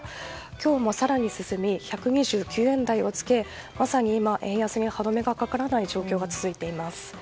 今日も更に進み１２９円台をつけまさに今、円安に歯止めがかからない状況が続いています。